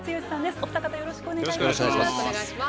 お二方、よろしくお願いします。